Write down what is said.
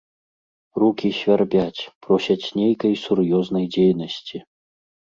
Рукі свярбяць, просяць нейкай сур'ёзнай дзейнасці.